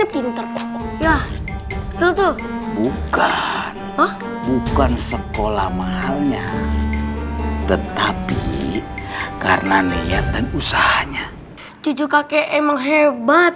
bukan sekolah mahalnya tetapi karena niat dan usahanya cucu kakek emang hebat